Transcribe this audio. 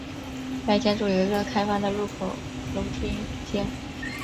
该建筑有一个开放的入口楼梯间。